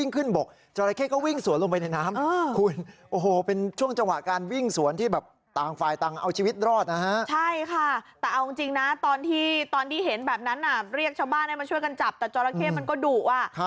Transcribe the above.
คือตอนนี้น่าจะเชื่อว่ายังมีอยู่ยังมีอยู่